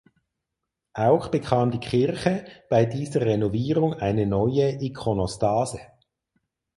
Auch bekam die Kirche bei dieser Renovierung eine neue Ikonostase.